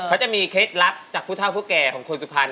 เขาจะมีเคล็ดลับจากผู้เท่าผู้แก่ของคนสุพรรณ